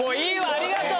ありがとう。